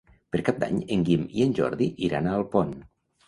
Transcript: Per Cap d'Any en Guim i en Jordi iran a Alpont.